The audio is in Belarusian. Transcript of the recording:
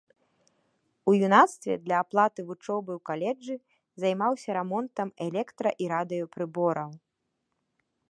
У юнацтве для аплаты вучобы ў каледжы займаўся рамонтам электра-і радыёпрыбораў.